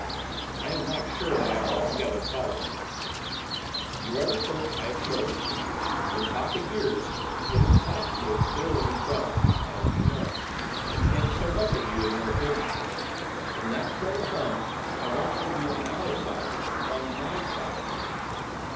'I am not sure that I altogether follow you.' 'You are the first I have told. When papa hears it is possible that there will be trouble, as you know. He thinks so much of you and of your opinion; when that trouble comes I want you to be on our side, on my side.